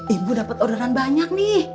ibu dapat orderan banyak nih